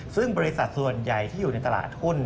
ซึ่งบริษัทส่วนใหญ่ที่อยู่ในตลาดหุ้น